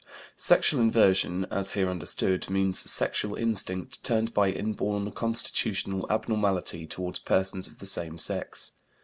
Sexual inversion, as here understood, means sexual instinct turned by inborn constitutional abnormality toward persons of the same sex.